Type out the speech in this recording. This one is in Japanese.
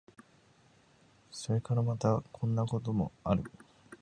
それからまた、こんなところもある。